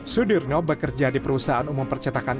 sudirno bekerja di perusahaan umum percetakan